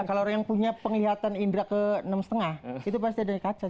kalau orang yang punya penglihatan indra ke enam lima itu pasti ada di kaca